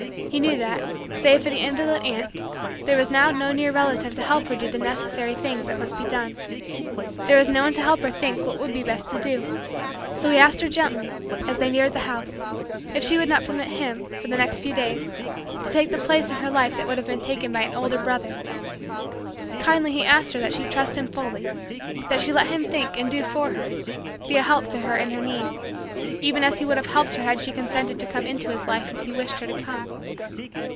He knew that, save for the invalid aunt, there was now no near relative to help her do the necessary things that must be done. There was no one to help her think what would be best to do. So he asked her gently, as they neared the house, if she would not permit him, for the next few days, to take the place in her life that would have been taken by an older brother. Kindly he asked that she trust him fully that she let him think and do for her be a help to her in her need even as he would have helped her had she consented to come into his life as he wished her to come.